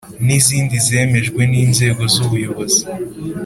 nizindi zemejwe n’inzego z’ubuyobozi ;